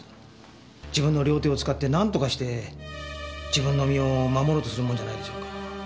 自分の両手を使ってなんとかして自分の身を守ろうとするもんじゃないでしょうか？